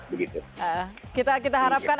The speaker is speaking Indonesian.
begitu kita harapkan